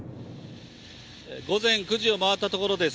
午前９時を回ったところです。